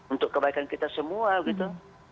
untuk kebaikan kita semua gitu